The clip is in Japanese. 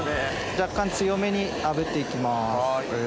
若干強めに炙って行きます。